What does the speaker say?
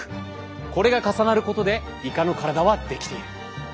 これが重なることでイカの体は出来ている。